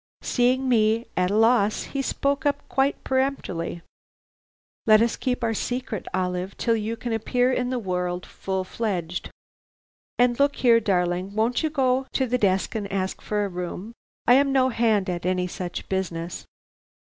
Seeing me at a loss, he spoke up quite peremptorily: "'Let us keep our secret, Olive, till you can appear in the world full fledged. And look here, darling, won't you go to the desk and ask for a room? I am no hand at any such business.'